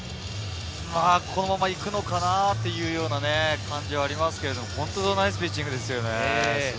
このまま行くのかなというような感じがありますけど、ナイスピッチングですね。